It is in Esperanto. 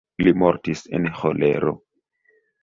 Li mortis en ĥolero.